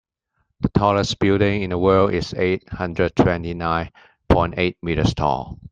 The tallest building in the world is eight hundred twenty nine point eight meters tall.